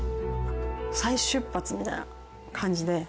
再出発みたいな感じで。